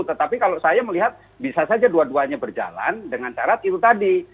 tetapi kalau saya melihat bisa saja dua duanya berjalan dengan cara itu tadi